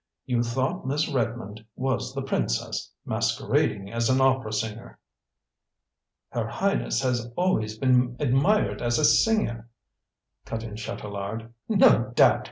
You thought Miss Redmond was the princess masquerading as an opera singer." "Her Highness has always been admired as a singer!" cut in Chatelard. "No doubt!